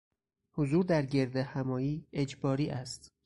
حضور در گردهمایی اجباری است.